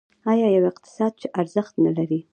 آیا یو اقتصاد چې ارزښت نلري؟